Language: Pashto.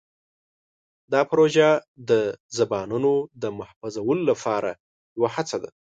دا پروژه د زبانونو د محفوظولو لپاره یوه هڅه ده.